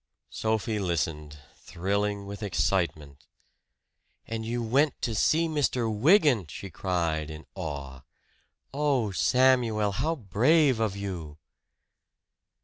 Sophie listened, thrilling with excitement. "And you went to see Mr. Wygant!" she cried in awe. "Oh, Samuel, how brave of you!"